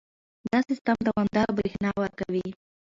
دا سیستم دوامداره برېښنا ورکوي.